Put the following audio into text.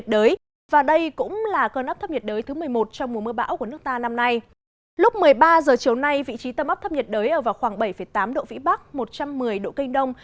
lúc một mươi ba h chiều nay vị trí tâm áp thấp nhiệt đới ở vào khoảng bảy tám độ vĩ bắc một trăm một mươi độ kinh đông